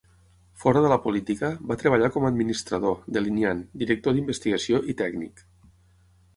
Fora de la política, va treballar com a administrador, delineant, director d"investigació i tècnic.